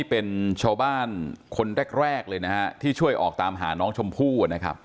ประยอมเป็นชาวบ้านคนแรกที่ช่วยออกตามหาน้องชมพู่